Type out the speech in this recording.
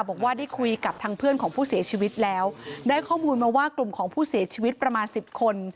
บอกว่าได้คุยกับทางเพื่อนของผู้เสียชีวิตแล้วได้ข้อมูลมาว่ากลุ่มของผู้เสียชีวิตประมาณสิบคน